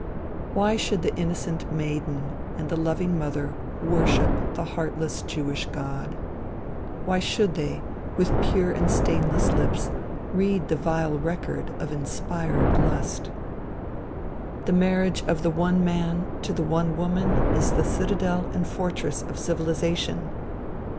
Why should the innocent maiden and the loving mother worship the heartless Jewish God? Why should they, with pure and stainless lips, read the vile record of inspired lust? The marriage of the one man to the one woman is the citadel and fortress of civilization.